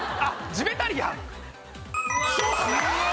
ジベタリアン。